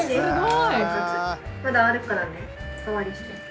豚カツまだあるからね。